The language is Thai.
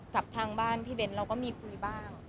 กับทางบ้านพี่เบ้นเราก็มีคุยบ้าง